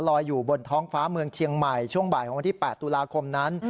อยู่บนท้องฟ้าเมืองเชียงใหม่ช่วงบ่ายของวันที่๘ตุลาคมนั้น